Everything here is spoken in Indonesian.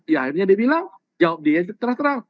ya akhirnya dia bilang jawab dia terang terang